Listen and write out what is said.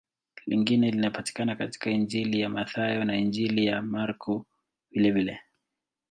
Lingine linapatikana katika Injili ya Mathayo na Injili ya Marko vilevile.